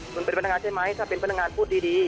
คุณเป็นพนักงานใช่ไหมถ้าเป็นพนักงานพูดดี